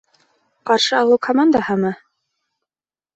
Ҡаршы алыу командаһымы?